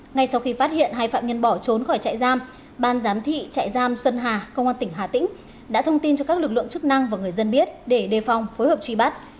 ngay sau khi phát hiện hai phạm nhân bỏ trốn khỏi trại giam ban giám thị trại giam xuân hà công an tỉnh hà tĩnh đã thông tin cho các lực lượng chức năng và người dân biết để đề phòng phối hợp truy bắt